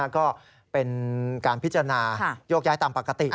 ก็เป็นการพิจารณาโยกย้ายตามปกติ